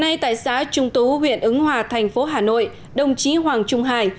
ngay tại xã trung tú huyện ứng hòa thành phố hà nội đồng chí hoàng trung hải